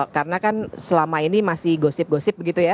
karena kan selama ini masih gosip gosip begitu ya